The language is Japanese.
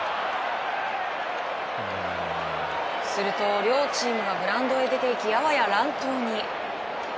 すると、両チームがグラウンドへ出て行きあわや乱闘に。